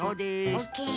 オッケー。